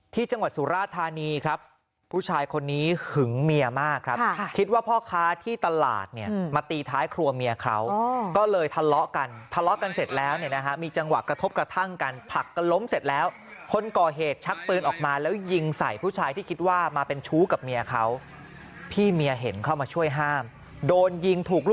ที่จังหวัดสุราธานีครับผู้ชายคนนี้หึงเมียมากครับคิดว่าพ่อค้าที่ตลาดเนี่ยมาตีท้ายครัวเมียเขาก็เลยทะเลาะกันทะเลาะกันเสร็จแล้วเนี่ยนะฮะมีจังหวะกระทบกระทั่งกันผลักกันล้มเสร็จแล้วคนก่อเหตุชักปืนออกมาแล้วยิงใส่ผู้ชายที่คิดว่ามาเป็นชู้กับเมียเขาพี่เมียเห็นเข้ามาช่วยห้ามโดนยิงถูกร